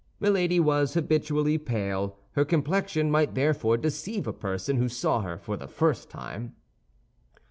Milady was habitually pale; her complexion might therefore deceive a person who saw her for the first time.